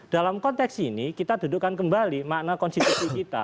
dalam konteks ini kita dudukkan kembali makna konstitusi kita